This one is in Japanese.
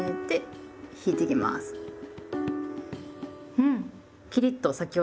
うん。